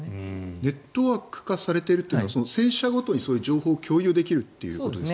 ネットワーク化されているというのは戦車ごとに情報を共有できるということですか？